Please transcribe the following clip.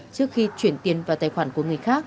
trước khi chuyển tiền vào tài khoản